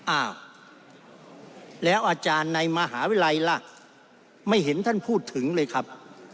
อ้าวแล้วอาจารย์ในมหาวิทยาลัยล่ะไม่เห็นท่านพูดถึงเลยครับ